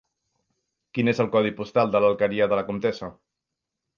Quin és el codi postal de l'Alqueria de la Comtessa?